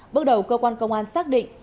bước đầu cơ quan công an xác định